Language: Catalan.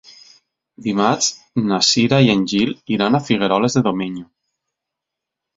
Dimarts na Cira i en Gil iran a Figueroles de Domenyo.